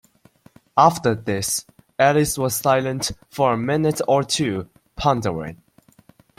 After this, Alice was silent for a minute or two, pondering.